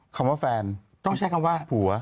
คำว่าแฟนต้องใช้คำว่าผัว